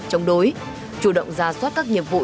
chống đối chủ động ra soát các nhiệm vụ